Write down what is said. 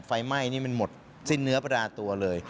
ไฟไหม้นี่มันหมดสิ้นเนื้อประดาตัวเลย